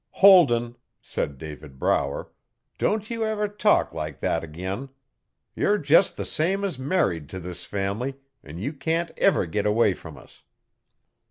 'Holden,' said David Brower, 'don't ye never talk like that ag'in. Yer just the same as married t' this family, an' ye can't ever git away from us.'